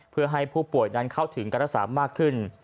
เพื่อให้ผู้ป่วยนั้นเข้าถึงการรักษามากขึ้น